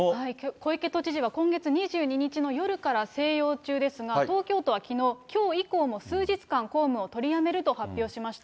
小池都知事は今月の２２日夜から静養中ですが、東京都はきのう、きょう以降の数日間、公務を取りやめると発表しました。